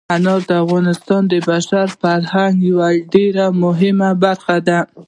انار د افغانستان د بشري فرهنګ یوه ډېره مهمه برخه ده.